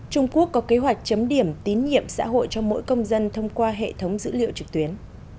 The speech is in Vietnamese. trung quốc có kế hoạch chấm điểm tín nhiệm xã hội cho mỗi công dân thông qua hệ thống dữ liệu trực tuyến